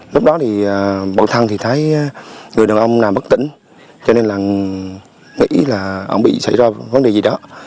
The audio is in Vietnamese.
lúc đó thì bọn thăng thấy người đàn ông nằm bất tỉnh cho nên là nghĩ là ông bị xảy ra vấn đề gì đó